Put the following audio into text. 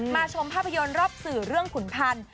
ชมภาพยนตร์รอบสื่อเรื่องขุนพันธ์